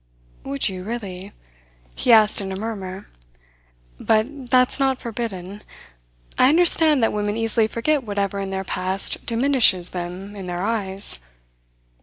"Would you really?" he asked in a murmur. "But that's not forbidden. I understand that women easily forget whatever in their past diminishes them in their eyes."